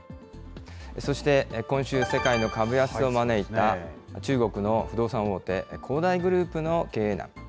そして、今週、世界の株安を招いた中国の不動産大手、恒大グループの経営難。